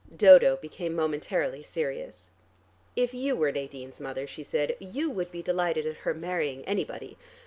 Dodo became momentarily serious. "If you were Nadine's mother," she said, "you would be delighted at her marrying anybody.